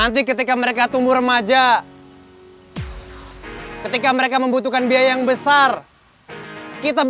gerumak mak ipah aja